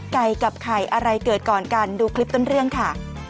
ไก่กับไข่อะไรเกิดก่อนกันดูคลิปต้นเรื่องค่ะ